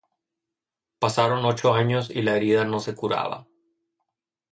Pasaron ocho años y la herida no se curaba.